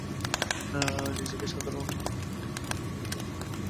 নিজেকে সাধারণের মধ্যে অনন্য করে তুলতে চাইলে আপনার পরিশ্রমের বিকল্প নেই।